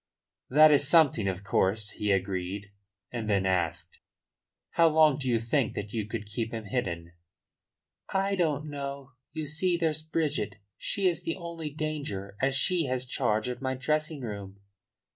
"That is something, of course," he agreed. And then asked: "How long do you think that you could keep him hidden?" "I don't know. You see, there's Bridget. She is the only danger, as she has charge of my dressing room."